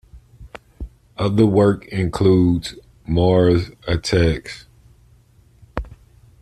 Other work includes: Mars Attacks!